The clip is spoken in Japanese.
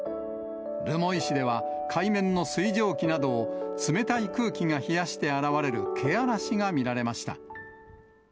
留萌市では、海面の水蒸気などを冷たい空気が冷やして現れるけあらしが見られました。